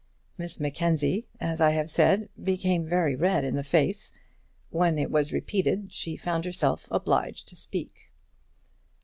Miss Mackenzie, as I have said, became very red in the face. When it was repeated, she found herself obliged to speak.